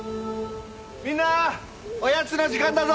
みんなおやつの時間だぞ！